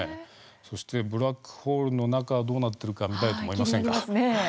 そしてブラックホールの中どうなっているかはい、気になりますね。